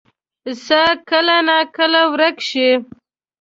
پسه کله ناکله ورک شي.